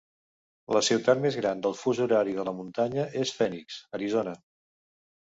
La ciutat més gran del fus horari de la muntanya és Phoenix, Arizona.